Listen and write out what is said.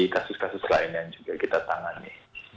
kasus kasus lain yang juga kita tangani